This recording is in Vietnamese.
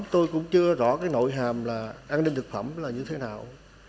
tôi cũng chưa rõ cái nội hàm là an ninh thực phẩm là như thế nào